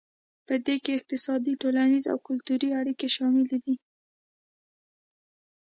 پدې کې اقتصادي ټولنیز او کلتوري اړیکې شاملې دي